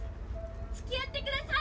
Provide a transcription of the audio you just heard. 付き合ってください！